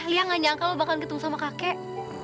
lia gak nyangka lo bakal ketemu sama kakek